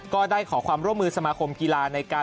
ก็ได้ขอความร่วมมือสมาคมกีฬาในการ